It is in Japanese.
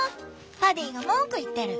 パディが文句言ってる。